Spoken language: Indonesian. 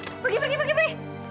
pergi pergi pergi